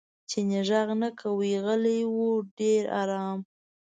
چیني غږ نه کاوه غلی و ډېر ارام.